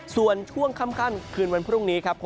ส่วนช่วงค่ำคืนวันพรุ่งนี้ครับ